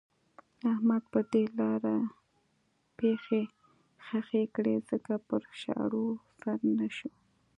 احمد پر دې لاره پښې خښې کړې ځکه پر شاړو سر نه شو.